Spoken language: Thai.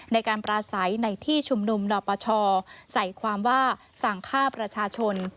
ในการปราศัยในที่ชุมนุมนปชใส่ความว่าสั่งฆ่าประชาชน